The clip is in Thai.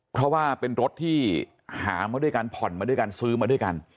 เพราะว่าเป็นรถที่หามาด้วยกันผ่อนมาด้วยกันซื้อมาด้วยกัน